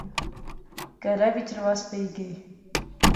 کہرے وچ رواس پئی گے